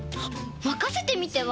まかせてみては？